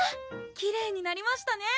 きれいになりましたね